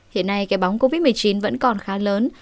hiện nay cái bóng covid một mươi chín vẫn còn khá lớn